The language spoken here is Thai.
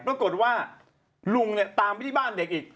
ปรากฏว่าลุงเนี่ยตามไปที่บ้านเด็กอีก